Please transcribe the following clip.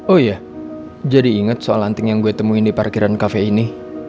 oh iya jadi inget soal lanting yang gue temuin di parkiran kafe ini